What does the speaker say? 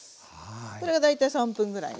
これが大体３分ぐらいね